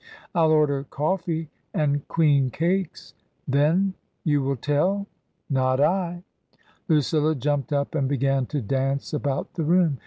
" ril order coffee and queen cakes ! Then you will tell !" "Not I." • Lucilla jumped up and began to dance about the room.